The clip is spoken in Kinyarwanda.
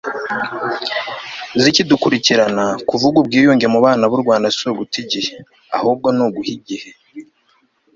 zikidukurikirana, kuvuga ubwiyunge mu bana b'u rwanda si uguta igihe, ahubwo ni uguha igihe